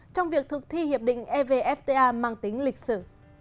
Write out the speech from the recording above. trong việc thực thi hiệp định evfta mang tính lịch sử